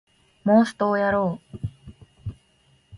モンストをやろう